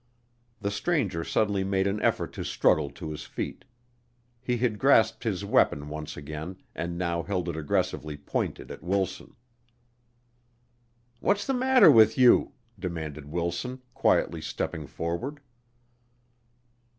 The stranger suddenly made an effort to struggle to his feet. He had grasped his weapon once again and now held it aggressively pointed at Wilson. "What's the matter with you?" demanded Wilson, quietly stepping forward.